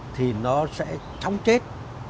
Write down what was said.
thì nó sẽ chóng chết